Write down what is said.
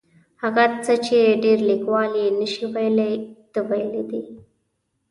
هغه څه چې ډېر لیکوال یې نشي ویلی ده ویلي دي.